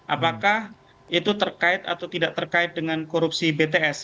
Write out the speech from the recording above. apakah itu terkait atau tidak terkait dengan korupsi bts